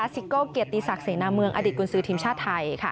ซิโก้เกียรติศักดิเสนาเมืองอดีตกุญสือทีมชาติไทย